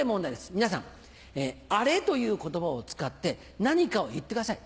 皆さん「アレ」という言葉を使って何かを言ってください。